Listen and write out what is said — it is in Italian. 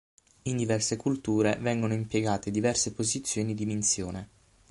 In diverse culture vengono impiegate diverse posizioni di minzione.